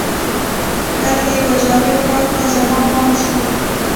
دلته یو جالب کار ته زما پام شو.